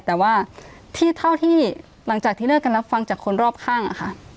แต่ว่าที่เท่าที่หลังจากที่เลิกกันรับฟังจากคนรอบข้างอะค่ะ